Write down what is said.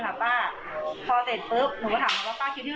แล้วก็แบบได้จ่ะก็พูดดี